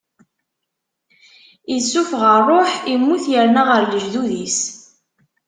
Issufeɣ ṛṛuḥ, immut, yerna ɣer lejdud-is.